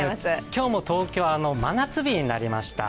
今日も東京は真夏日になりました。